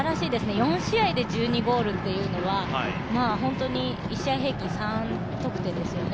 ４試合で１２ゴールというのは本当に１試合平均３得点ですよね。